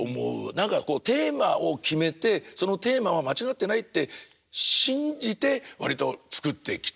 何かこうテーマを決めてそのテーマは間違ってないって信じて割と作ってきた新作が多いですね。